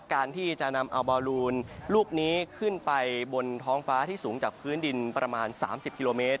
การที่จะนำเอาบอลลูนลูกนี้ขึ้นไปบนท้องฟ้าที่สูงจากพื้นดินประมาณ๓๐กิโลเมตร